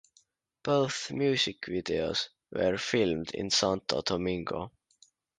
Both music videos were filmed in Santo Domingo.